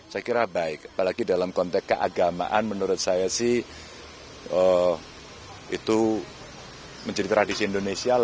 saya kira baik apalagi dalam konteks keagamaan menurut saya sih itu menjadi tradisi indonesia